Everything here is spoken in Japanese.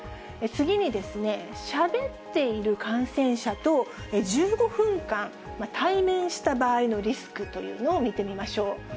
次に、しゃべっている感染者と、１５分間対面した場合のリスクというのを見てみましょう。